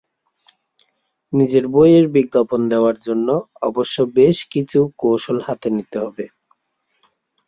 নিজের বইয়ের বিজ্ঞাপন দেওয়ার জন্য অবশ্য বেশ কিছু কৌশল হাতে নিতে হবে।